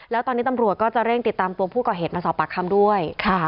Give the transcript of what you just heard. แล้วตอนนี้ตำรวจก็จะเร่งติดตามตัวผู้ก่อเหตุมาสอบปากคำด้วย